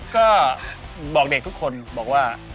ก็บอกเด็กทุกคนบอกว่า